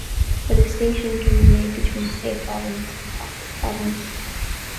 A distinction can be made between state problems and process problems.